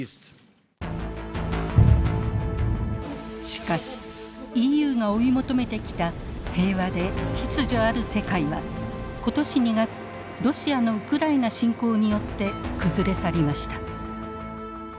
しかしＥＵが追い求めてきた平和で秩序ある世界は今年２月ロシアのウクライナ侵攻によって崩れ去りました。